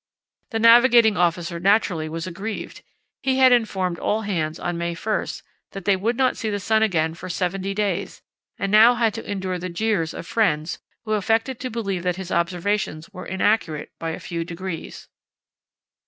The navigating officer naturally was aggrieved. He had informed all hands on May 1 that they would not see the sun again for seventy days, and now had to endure the jeers of friends who affected to believe that his observations were inaccurate by a few degrees.